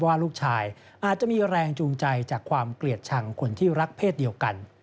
ว่าลูกชายอาจจะมีแรงจูงใจจากความเกลียดชังคนที่รักเพศเดียวกัน